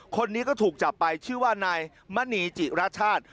คนนี้ก็ถูกจับไปชื่อว่านายมณีจิรชาติ